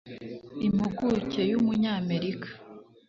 impuguke y'umunyamerika